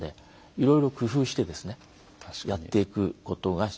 いろいろ工夫してやっていくことが必要かなと。